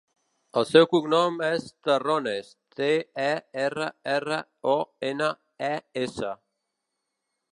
El seu cognom és Terrones: te, e, erra, erra, o, ena, e, essa.